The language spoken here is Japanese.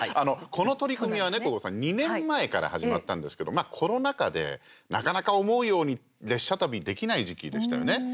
この取り組みはね、小郷さん２年前から始まったんですけどコロナ禍で、なかなか思うように列車旅できない時期でしたよね。